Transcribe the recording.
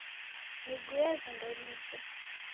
Nigue vindo nije.